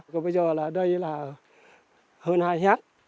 còn bây giờ là đây là hơn hai hạt